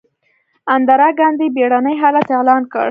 اندرا ګاندي بیړنی حالت اعلان کړ.